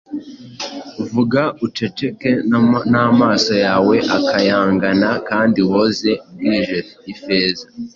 vuga uceceke n'amaso yawe akayangana, Kandi woze bwije ifeza.